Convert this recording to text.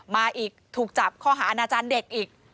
มาอีกถูกจับข้อหาอาณาจารย์เด็กอีก